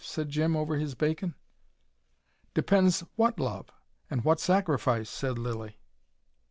said Jim, over his bacon. "Depends WHAT love, and what sacrifice," said Lilly.